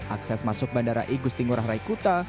akses masuk bandara igus tinggurah raikuta